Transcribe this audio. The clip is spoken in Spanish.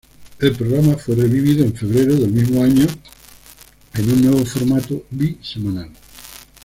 El programa fue revivido en febrero del mismo año en un nuevo formato bi-semanal.